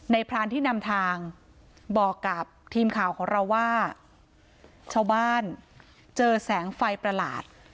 พรานที่นำทางบอกกับทีมข่าวของเราว่าชาวบ้านเจอแสงไฟประหลาด